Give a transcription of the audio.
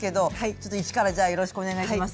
ちょっと一からよろしくお願いします。